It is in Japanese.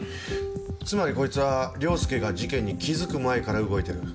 つまりこいつは凌介が事件に気付く前から動いてる。